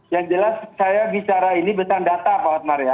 yang jelas saya bicara ini tentang data pak hotmar